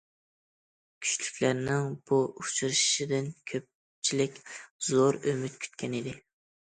كۈچلۈكلەرنىڭ بۇ ئۇچرىشىشىدىن كۆپچىلىك زور ئۈمىد كۈتكەنىدى.